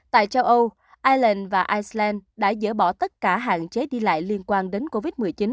tại châu âu ireland và iceland đã dỡ bỏ tất cả hạn chế đi lại liên quan đến covid một mươi chín